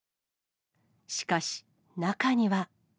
しかし、中には。